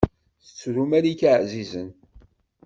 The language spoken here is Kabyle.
Tettru malika ɛzizen.